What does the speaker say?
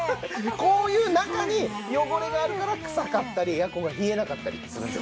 こういう中に汚れがあるから臭かったりエアコンが冷えなかったりするんです。